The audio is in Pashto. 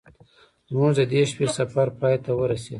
زموږ د دې شپې سفر پای ته ورسید.